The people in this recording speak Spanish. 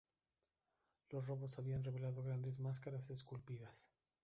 Los robos habían revelado grandes máscaras esculpidas.